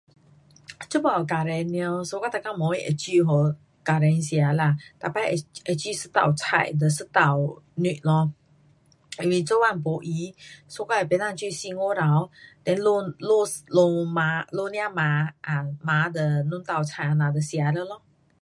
这次又家庭了，so 我每天晚上会煮给家庭吃啦。每次会，煮一道菜跟一道肉咯。因为做工没闲，so 我也不能煮四五道，then 下，下，下饭，下厨饭，um 饭跟两道菜这样吃就了咯。